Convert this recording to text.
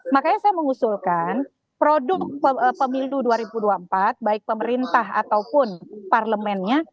makanya saya mengusulkan produk pemilu dua ribu dua puluh empat baik pemerintah ataupun parlemennya